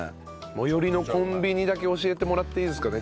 最寄りのコンビニだけ教えてもらっていいですかね。